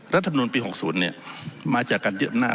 รัฐมนุนปี๖๐นี้มาจากการเตี้ยบนาุ